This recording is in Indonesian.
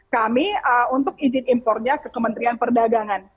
kami untuk izin impornya ke kementerian perdagangan